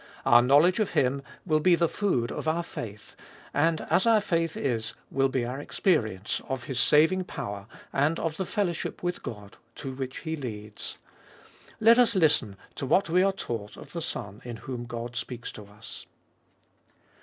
Our knowledge of Him will be the food of our faith, and as our faith is will be our experience of His saving power, and of the fellowship with God to which He leads. Let us listen to what we are taught of the Son in whom God speaks to us.